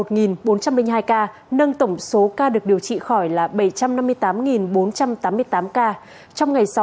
trong ngày là một bốn trăm linh hai ca nâng tổng số ca được điều trị khỏi là bảy trăm năm mươi tám bốn trăm tám mươi tám ca